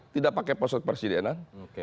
tidak pakai pesawat presidenan